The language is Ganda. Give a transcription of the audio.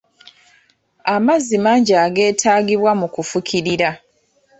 Amazzi mangi ageetagibwa mu kufukirira.